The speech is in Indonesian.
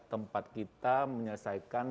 tempat kita menyelesaikan